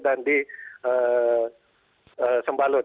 yang terperah adalah tiga orang